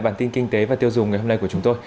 bản tin kinh tế và tiêu dùng ngày hôm nay của chúng tôi